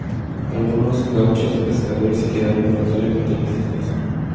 Algunos gauchos y pescadores se quedaron voluntariamente en las islas.